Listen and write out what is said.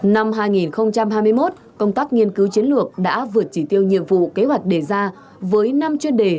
năm hai nghìn hai mươi một công tác nghiên cứu chiến lược đã vượt chỉ tiêu nhiệm vụ kế hoạch đề ra với năm chuyên đề